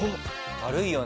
軽いよね。